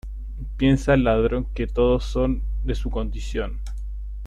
Piensa el ladrón que todos son de su condición.